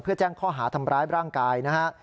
เพื่อแจ้งข้อหาทำร้ายร่างกายนะฮะ